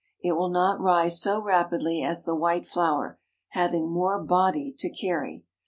It will not rise so rapidly as the white flour, having more "body" to carry.